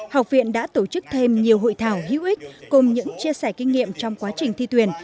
học viện đã tổ chức thêm nhiều hội thảo hữu ích cùng những chia sẻ kinh nghiệm trong quá trình thi tuyển